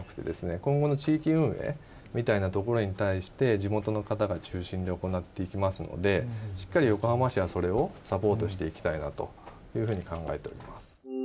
今後の地域運営みたいなところに対して地元の方が中心で行っていきますのでしっかり横浜市はそれをサポートしていきたいなというふうに考えております。